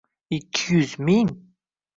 Ikki yuz ming